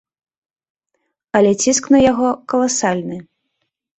Але ціск на яго каласальны!